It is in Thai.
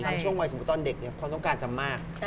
ช่วงวัยสมมุติตอนเด็กความต้องการจำมาก